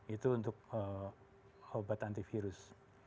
itu untuk obat antivirus